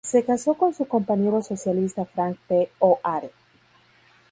Se casó con su compañero socialista Frank P. O'Hare.